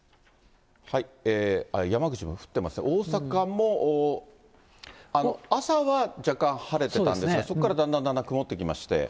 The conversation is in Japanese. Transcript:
山口も降ってますね、大阪も、朝は若干晴れてたんですが、そこからだんだんだんだん曇ってきまして。